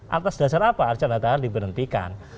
atas dasar apa arcanda tahan diberhentikan